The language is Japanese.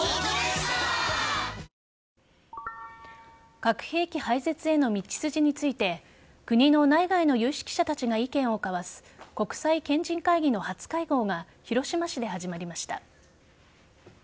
核兵器廃絶への道筋について国の内外の有識者たちが意見を交わす国際賢人会議の初会合が広島市で始まりました。